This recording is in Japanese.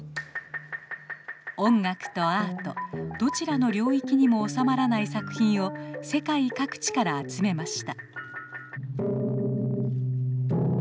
音楽とアートどちらの領域にも収まらない作品を世界各地から集めました。